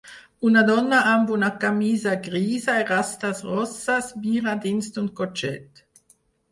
Una dona amb una camisa grisa i rastes rosses mira dins d'un cotxet